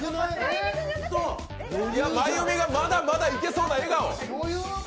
真弓がまだまだいけそうな笑顔。